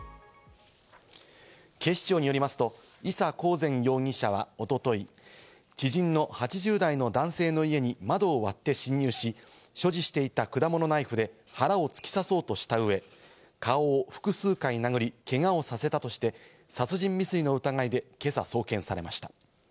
警視庁によりますと伊佐交善容疑者は一昨日、知人の８０代の男性の家に窓を割って侵入し、所持していた果物ナイフで腹を突き刺そうとしたうえ、顔を複数回殴り、けがをさせたとして、殺人未遂の疑いで今朝送検されました。